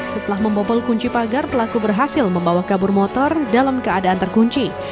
setelah membobol kunci pagar pelaku berhasil membawa kabur motor dalam keadaan terkunci